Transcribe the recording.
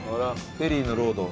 ペリーのロード。